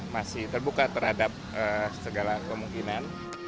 masih terbuka terhadap segala kemungkinan